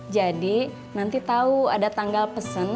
jadi nanti tau ada tanggal pesen